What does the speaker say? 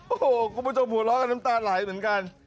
โอ้โหคุณผู้ชมหัวเราะกันน้ำตาไหลเหมือนกัน